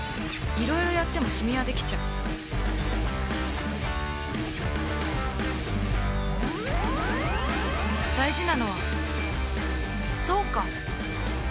いろいろやってもシミはできちゃう大事なのはそうか！